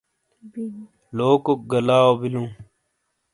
لوکوک گہ لاؤ بیلو۔